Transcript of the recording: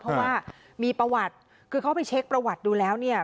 เพราะว่ามีประวัติคือเขาไปเช็คประวัติดูแล้วเนี่ย